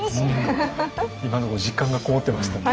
今のとこ実感がこもってましたね。